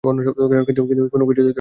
কিন্তু কোন কিছুতেই তারা নিবৃত্ত হল না।